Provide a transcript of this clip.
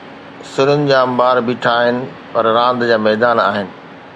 سرن جا انبار بيٺا آهن، پر راند جا ميدان آهن.